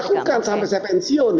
belum dilakukan sampai saya pensiun